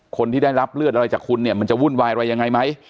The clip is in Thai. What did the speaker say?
คนที่ได้รับเลือดอะไรจากคุณเนี่ยมันจะวุ่นวายอะไรยังไงไหม